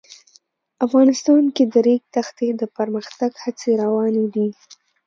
افغانستان کې د د ریګ دښتې د پرمختګ هڅې روانې دي.